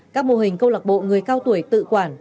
các mô hình câu lạc bộ người cao tuổi tự quản